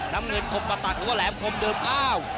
น้ำเงินคมปะตักหรือว่าแหลมคมเดิมอ้าว